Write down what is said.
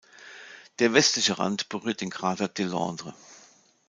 Der westliche Rand berührt den Krater Deslandres.